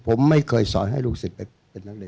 ผมไม่เคยสอนให้ลูกศิษย์เป็นนักเรียน